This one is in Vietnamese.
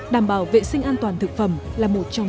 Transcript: đảm bảo vệ sinh an toàn thực phẩm